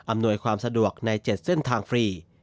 อำนวยความสะดวกใน๗เส้นทางฟรี